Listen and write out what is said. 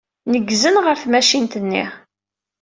Neggzen ɣer tmacint-nni.